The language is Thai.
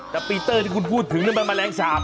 แต่ปีเตอร์ที่คุณพูดถึงนั่นมันแมลงสาบ